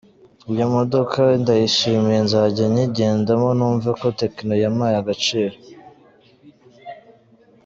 Iyi modoka ndayishimiye nzajya nyigendamo numve ko Tecno yampaye agaciro.